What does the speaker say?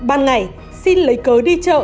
bàn ngày xin lấy cớ đi chợ